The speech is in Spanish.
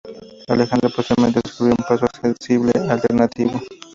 Alejandro posteriormente descubrió un paso accesible alternativo.